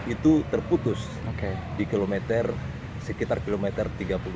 itu terputus di sekitar kilometer tiga puluh dua